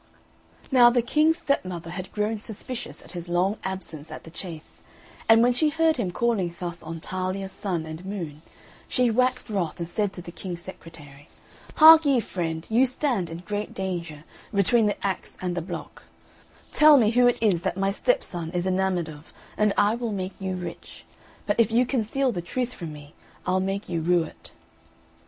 Now the King's stepmother had grown suspicious at his long absence at the chase, and when she heard him calling thus on Talia, Sun, and Moon, she waxed wroth, and said to the King's secretary, "Hark ye, friend, you stand in great danger, between the axe and the block; tell me who it is that my stepson is enamoured of, and I will make you rich; but if you conceal the truth from me, I'll make you rue it."